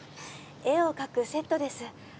絵を描くセットです。